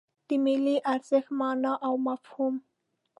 د ملي ارزښت مانا او مفهوم